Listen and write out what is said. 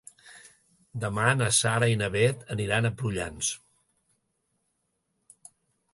Demà na Sara i na Bet aniran a Prullans.